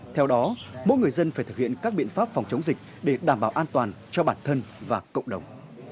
theo đó mỗi người dân phải thực hiện các biện pháp phòng chống dịch để đảm bảo an toàn cho bản thân và cộng đồng